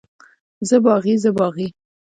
زه باغي، زه باغي.